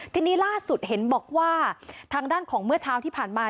ทีนี้ล่าสุดเห็นบอกว่าทางด้านของเมื่อเช้าที่ผ่านมา